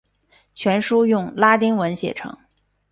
全书用拉丁文写成。